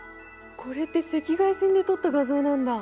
これって赤外線で撮った画像なんだ。